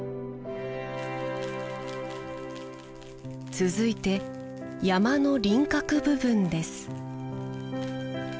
続いて山の輪郭部分です